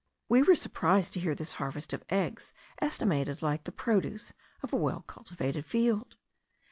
We were surprised to hear this harvest of eggs estimated like the produce of a well cultivated field.